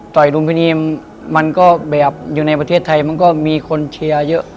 ลุมพินีมันก็แบบอยู่ในประเทศไทยมันก็มีคนเชียร์เยอะ